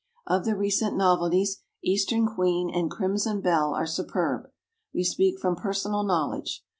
Of the recent novelties Eastern Queen and Crimson Belle are superb; we speak from personal knowledge.